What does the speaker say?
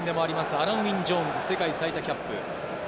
アラン＝ウィン・ジョーンズ、世界最多キャップ。